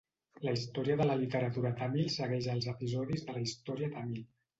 La història de la literatura tàmil segueix els episodis de la història tàmil.